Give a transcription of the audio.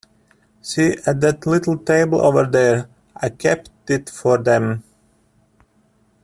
See, at that little table over there? I kept it for them.